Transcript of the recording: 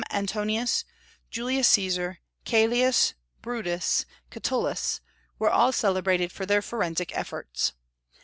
Antonius, Julius Caesar, Caelius, Brutus, Catullus, were all celebrated for their forensic efforts.